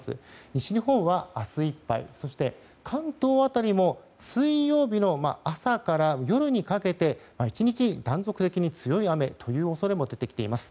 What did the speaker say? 西日本は明日いっぱいそして、関東辺りも水曜日の朝から夜にかけて１日、断続的に強い雨という恐れも出てきています。